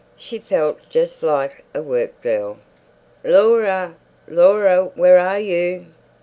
She felt just like a work girl. "Laura, Laura, where are you?